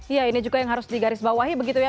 iya ini juga yang harus digarisbawahi begitu ya